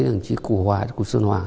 đồng chí cụ hòa cụ xuân hòa